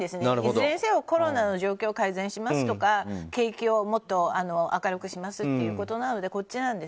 いずれにせよコロナの状況を改善しますとか景気をもっと明るくしますっていうことなので。